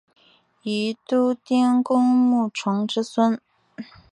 宜都丁公穆崇之孙。